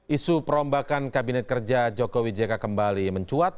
isu perombakan kabinet kerja jokowi jk kembali mencuat